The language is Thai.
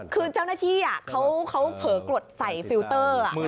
คือเจ้าหน้าที่เขาเผลอกดใส่ฟิลเตอร์